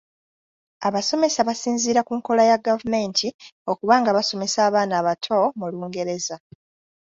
Abasomesa basinziira ku nkola ya gavumenti okuba nga basomesa abaana abato mu Lungereza.